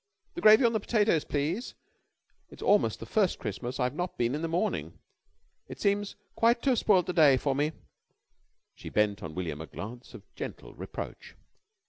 The gravy on the potatoes, please. It's almost the first Christmas I've not been in the morning. It seems quite to have spoilt the day for me." She bent on William a glance of gentle reproach.